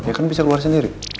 ya kan bisa keluar sendiri